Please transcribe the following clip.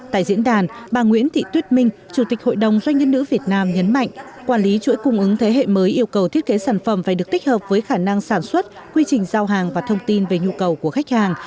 tại diễn đàn bà nguyễn thị tuyết minh chủ tịch hội đồng doanh nhân nữ việt nam nhấn mạnh quản lý chuỗi cung ứng thế hệ mới yêu cầu thiết kế sản phẩm phải được tích hợp với khả năng sản xuất quy trình giao hàng và thông tin về nhu cầu của khách hàng